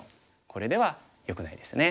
これではよくないですね。